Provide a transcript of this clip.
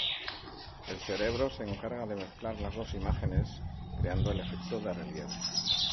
El cerebro se encarga de mezclar las dos imágenes creando el efecto de relieve.